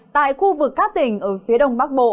tại khu vực các tỉnh ở phía đông bắc bộ